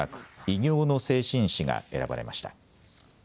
異形の精神史が選ばれました。